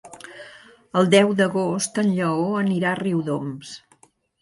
El deu d'agost en Lleó anirà a Riudoms.